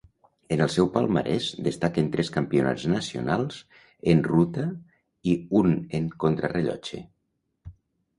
En el seu palmarès destaquen tres campionats nacionals en ruta i un en contrarellotge.